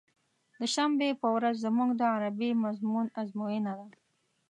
د شنبې په ورځ زموږ د عربي مضمون ازموينه وه.